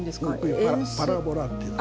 パラボラっていうの。